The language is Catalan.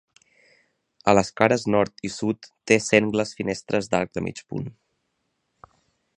A les cares nord i sud té sengles finestres d'arc de mig punt.